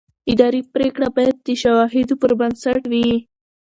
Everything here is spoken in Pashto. اداري پرېکړه باید د شواهدو پر بنسټ وي.